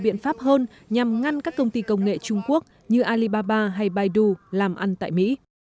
biện pháp hơn nhằm ngăn các công ty công nghệ trung quốc như alibaba hay baidu làm ăn tại mỹ